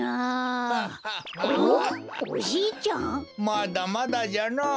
まだまだじゃのぉ。